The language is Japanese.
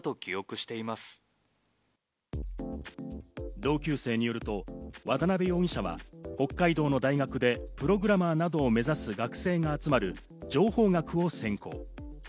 同級生によると、渡辺容疑者は北海道の大学でプログラマーなどを目指す学生が集まる情報学を専攻。